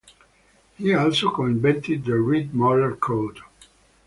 He also co-invented the Reed-Muller code.